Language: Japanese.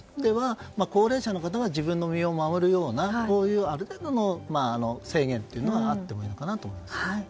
高齢者の方は自分の身を守るようなある程度の制限というのはあってもいいのかなと思いますね。